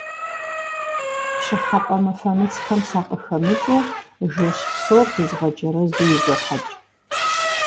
Пщӏыхьэпӏэ мыфэмыцхэм сакъыхэмыкӏыу жэщ псор зызгъэджэрэзу изохьэкӏ.